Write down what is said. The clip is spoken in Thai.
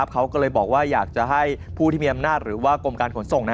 เขาก็เลยบอกว่าอยากจะให้ผู้ที่มีอำนาจหรือว่ากรมการขนส่ง